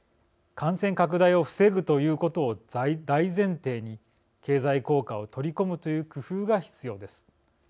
感染拡大を防ぐということを大前提に経済効果を取り込むという工夫が必要です。